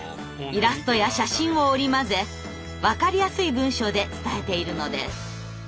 イラストや写真を織り交ぜわかりやすい文章で伝えているのです。